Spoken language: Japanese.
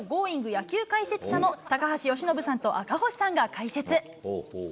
野球解説者の高橋由伸さんと赤星さんが解説。